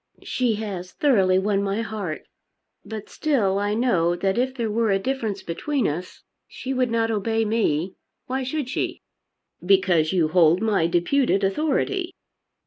"She has thoroughly won my heart. But still I know that if there were a difference between us she would not obey me. Why should she?" "Because you hold my deputed authority."